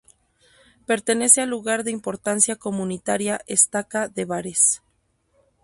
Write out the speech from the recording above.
Pertenece al Lugar de Importancia Comunitaria Estaca de Bares.